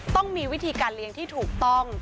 ต้องมีวิธีการเลี้ยงที่ถูกต้อง